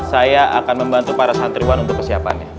saya akan membantu para santriwan untuk kesiapannya